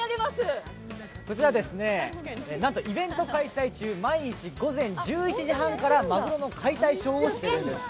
こちら、なんとイベント開催中、毎日午前１１時半からマグロの解体ショーをしているんですね。